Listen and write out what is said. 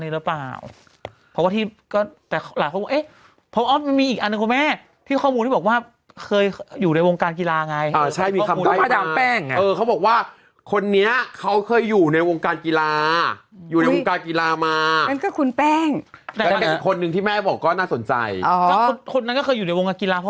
แล้วก็อาจจะมีเจ้าของลิขสิทธิ์เก่าหรือเปล่า